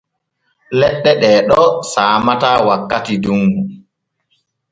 Leɗɗe ɗee ɗo saamataa wakkati dunŋu.